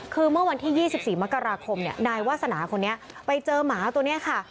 คือเมื่อวันที่๒๔มกราคมนายวาสนาคนนี้ไปเจอหมาตัวนี้ค่ะ